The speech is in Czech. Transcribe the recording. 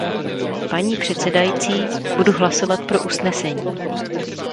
Paní předsedající, budu hlasovat pro usnesení.